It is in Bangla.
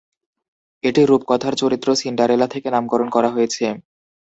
এটি রূপকথার চরিত্র সিন্ডারেলা থেকে নামকরণ করা হয়েছে।